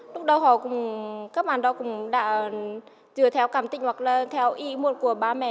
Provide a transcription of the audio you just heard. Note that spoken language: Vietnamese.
lúc đầu họ cũng các bạn đó cũng đã dựa theo cảm tích hoặc là theo ý muốn của ba mẹ